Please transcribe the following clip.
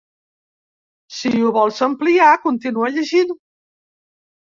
Si ho vols ampliar continua llegint.